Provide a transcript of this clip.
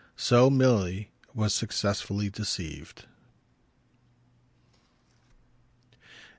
So Milly was successfully deceived.